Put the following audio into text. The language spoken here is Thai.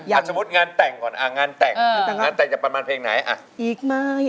แล้วสมมุติงานแต่งก่อนงานแต่งจะประมาณเพลงไหน